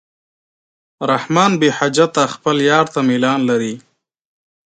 رحمان بېحجته خپل یار ته میلان لري.